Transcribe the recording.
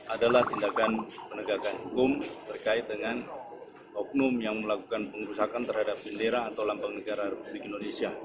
adalah tindakan penegakan hukum terkait dengan oknum yang melakukan pengerusakan terhadap bendera atau lambang negara republik indonesia